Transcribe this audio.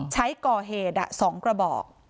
ใช้ก่อเหตุ๒กระบอก